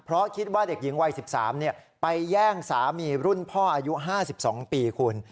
เพราะคิดว่าเด็กหญิงวัย๑๓ไปแย่งสามีรุ่นพ่ออายุ๕๒ปีคุณ